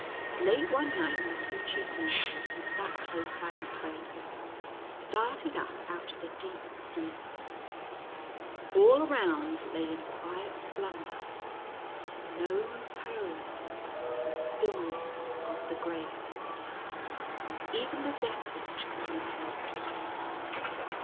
Late one night the two chief nurses who sat close "by the cradle, started up out of a deep sleep. All around lay in quiet slumber — no purring — the stillness of the grave ! even the death watch could be heard ticking